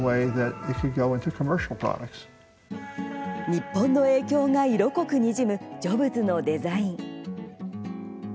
日本の影響が色濃くにじむジョブズのデザイン。